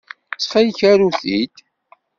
Ttxil-k, aru-t-id.